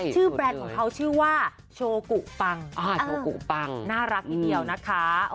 ชื่อแบรนด์ของเขาชื่อว่าโชโกูปังน่ารักทีเดียวนะคะ